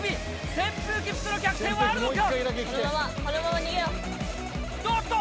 扇風機服の逆転はあるのか。